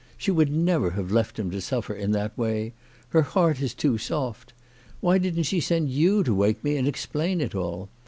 She would never have left him to suffer in that way. Her heart is too soft. Why didn't she send you to wake me, and explain it all?